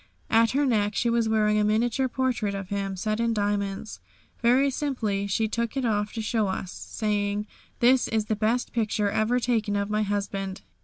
At her neck she was wearing a miniature portrait of him set in diamonds. Very simply she took it off to show to us, saying, "This is the best picture ever taken of my husband.